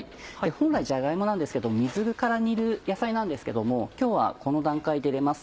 本来じゃが芋水から煮る野菜なんですけども今日はこの段階で入れます。